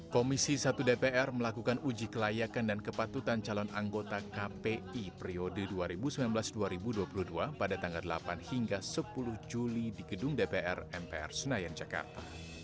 komisi satu dpr melakukan uji kelayakan dan kepatutan calon anggota kpi periode dua ribu sembilan belas dua ribu dua puluh dua pada tanggal delapan hingga sepuluh juli di gedung dpr mpr senayan jakarta